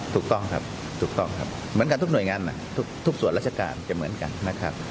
ถูกต้องครับเหมือนกับทุกหน่วยงานทุกส่วนรัชกาญด้วยเหมือนกันนะครับ